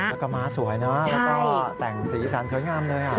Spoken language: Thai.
แล้วก็ม้าสวยนะแล้วก็แต่งสีสันสวยงามเลย